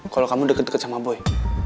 kalau kamu deket deket sama boy